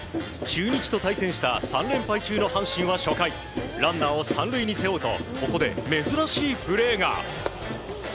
中日と対戦した３連敗中の阪神は初回ランナーを３塁に背負うとここで珍しいプレーが。